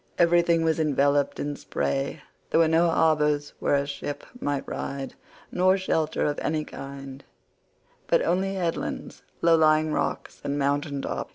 Everything was enveloped in spray; there were no harbours where a ship might ride, nor shelter of any kind, but only headlands, low lying rocks, and mountain tops.